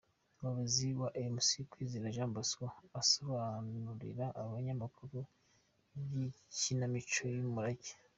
Umuyobozi wa UmC, Kwizera Jean Bosco asobanurira abanyamakuru iby'ikinamico "Umurage".